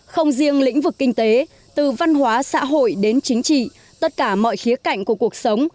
không riêng lĩnh vực kinh tế từ văn hóa xã hội đến chính trị tất cả mọi khía cạnh của cuộc sống